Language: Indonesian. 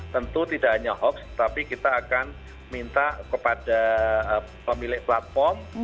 tentu tidak hanya hoax tapi kita akan minta kepada pemilik platform